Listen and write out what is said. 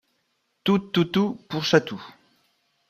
Tou tou tou Pour Chatou.